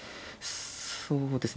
そうですね。